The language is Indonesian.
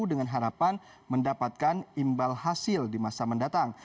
dengan harapan mendapatkan imbal hasil di masa mendatang